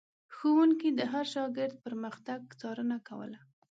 ښوونکي د هر شاګرد پرمختګ څارنه کوله.